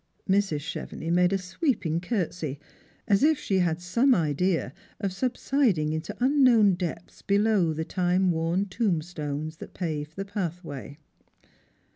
Mrs. Chevenix made a sweeping curtsey, as if she had some idea of subsiding into unknown depths below the timeworn tombstones that paved the pathway.